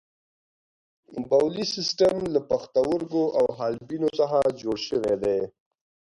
بولي سیستم له پښتورګو او حالبینو څخه جوړ شوی دی.